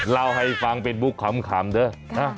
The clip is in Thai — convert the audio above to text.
เราให้ฟังเป็นบุ๊คขามเถอะ